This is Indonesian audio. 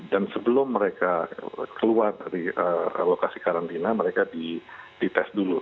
dan sebelum mereka keluar dari lokasi karantina mereka dites dulu